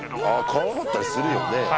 辛かったりするよね